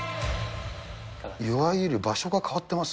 いわゆる場所が変わってます？